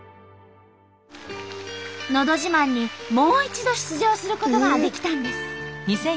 「のど自慢」にもう一度出場することができたんです。